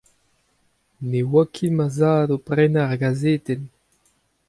Ne oa ket ma zad o prenañ ar gazetenn.